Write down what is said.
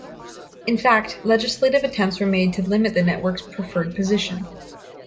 In fact, legislative attempts were made to limit the network's preferred position.